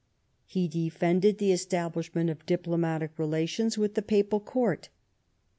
He defended the establishment of diplomatic relations with the Papal court.